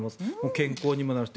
健康にもなるし。